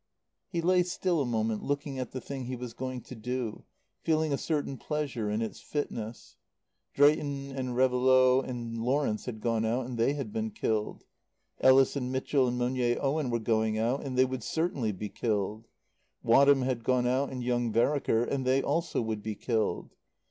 He lay still a moment, looking at the thing he was going to do, feeling a certain pleasure in its fitness. Drayton and Réveillaud and Lawrence had gone out, and they had been killed. Ellis and Mitchell and Monier Owen were going out and they would certainly be killed. Wadham had gone out and young Vereker, and they also would be killed.